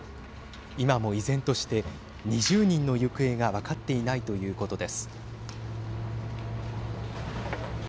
今も依然として２０人の行方が分かっていないということです。